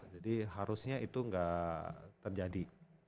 jadi harusnya itu gak terjadi